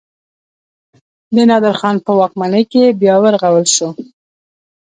د نادر خان په واکمنۍ کې بیا ورغول شو.